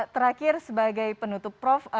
terakhir sebagai penutup prof